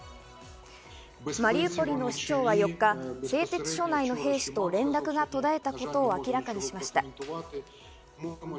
マリウポリの市長は４日、製鉄所内の兵士と連絡が途絶えたことを明らかにしました。